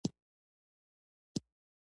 ما غوښتل دا باور نورو خلکو کې هم رامنځته کړم.